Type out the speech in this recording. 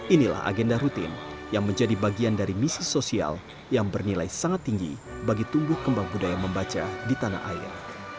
inilah agenda rutin yang menjadi bagian dari misi sosial yang bernilai sangat tinggi bagi tumbuh kembang budaya membaca di tanah air